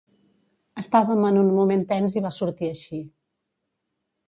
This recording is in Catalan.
Estàvem en un moment tens i va sortir així.